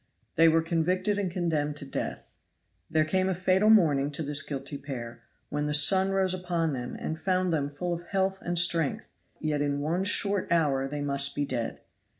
They were convicted and condemned to death. There came a fatal morning to this guilty pair, when the sun rose upon them and found them full of health and strength, yet in one short hour they must be dead.